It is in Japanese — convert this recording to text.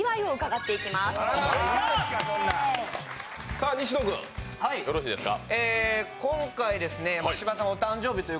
さあ西野君、よろしいですか。